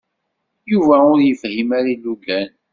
Yuba ur yefhim ara ilugan.